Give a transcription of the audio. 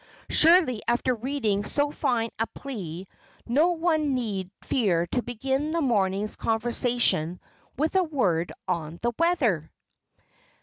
Surely after reading so fine a plea, no one need fear to begin the morning's conversation with a word on the weather!